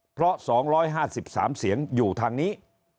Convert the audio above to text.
เพราะ๒๕๓เสียงอยู่ทางนี้